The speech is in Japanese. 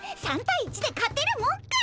３対１で勝てるもんか。